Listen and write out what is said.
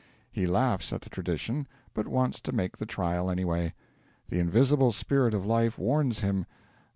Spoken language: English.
He laughs at the tradition, but wants to make the trial anyway. The invisible Spirit of Life warns him!